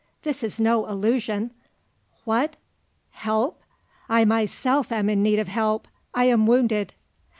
"This is no illusion! What? Help? I myself am in need of help. I am wounded."